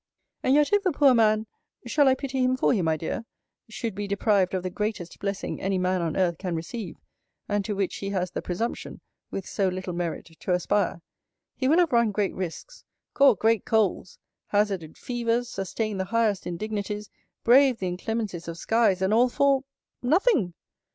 And yet, if the poor man [shall I pity him for you, my dear?] should be deprived of the greatest blessing any man on earth can receive, and to which he has the presumption, with so little merit, to aspire; he will have run great risks; caught great colds; hazarded fevers; sustained the highest indignities; braved the inclemencies of skies, and all for nothing!